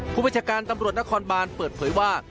ผู้บัญชาการตำรวจนครบานเปิดเผยว่า